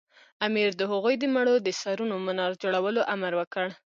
امیر د هغوی د مړو د سرونو منار جوړولو امر وکړ.